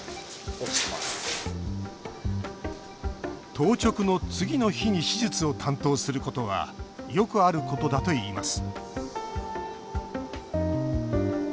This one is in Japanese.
当直の次の日に手術を担当することはよくあることだといいます。